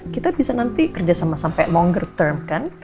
kita bisa nanti kerja sama sampai longer term kan